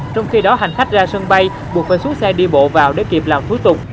trong khi đó hành khách ra sân bay buộc phải xuống xe đi bộ vào để kịp làm thủ tục